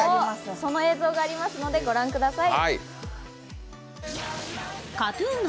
その映像があるのでご覧ください。